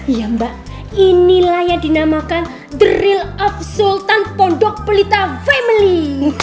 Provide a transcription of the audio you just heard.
iya mbak inilah yang dinamakan the real absultan pondok pelita family